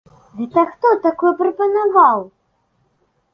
Гэта хто такое прапанаваў?